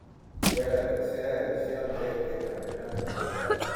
Fue la tercera edición de este campeonato mundial.